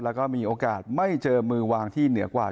แล้วก็มีโอกาสไม่เจอมือวางที่เหนือกว่า